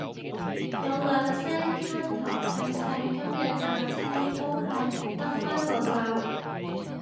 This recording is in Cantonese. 有兩聲咳頭赤赤，今日搭車都係笠返個罩